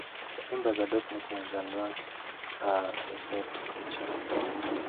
Members adopt nicknames and ranks are reset each year.